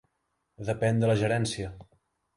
Depèn de la gerència.